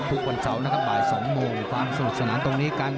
ทุกวันเสาร์นะครับบ่าย๒โมงความสนุกสนานตรงนี้กัน